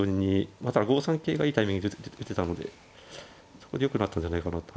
まあただ５三桂がいいタイミングで打てたのでそこでよくなったんじゃないかなと。